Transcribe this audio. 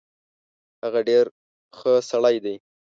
هغه ډیر خه سړی دی